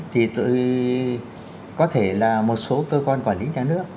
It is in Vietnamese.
thì có thể là một số cơ quan quản lý nhà nước